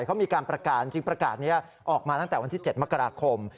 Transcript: เขามีการประกาศจริงประกาศนี้ออกมาตั้งแต่วันที่๗มกราคม